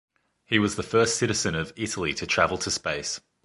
He was the first citizen of Italy to travel to space.